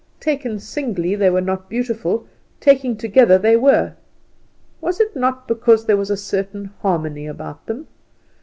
Taken singly they were not beautiful; taken together they were. Was it not because there was a certain harmony about them?